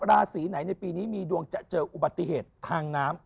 ราศีไหนในปีนี้มีดวงจะเจออุบัติเหตุทางน้ำ